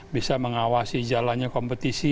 bisa mengawasi jalannya kompetisi